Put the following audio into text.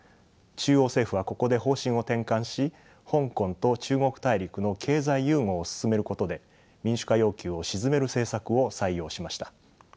中央政府はここで方針を転換し香港と中国大陸の経済融合を進めることで民主化要求を鎮める政策を採用しました。